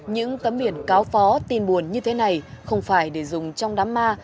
những tấm biển cáo phó tin buồn như thế này không phải để dùng trong đám ma